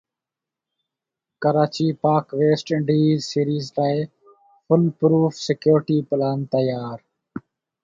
Karachi Pak West Indies series لاءِ foolproof security plan تيار